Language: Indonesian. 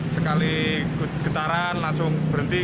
sekali getaran langsung berhenti